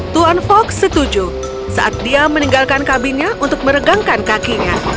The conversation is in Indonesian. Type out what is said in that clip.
tuan fogg setuju saat dia meninggalkan kabinnya untuk meregangkan kakinya